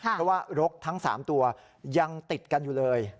เพราะว่ารกทั้ง๓ตัวยังติดกันอยู่เลย